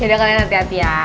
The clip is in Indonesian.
tidak kalian hati hati ya